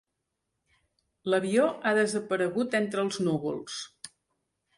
L'avió ha desaparegut entre els núvols.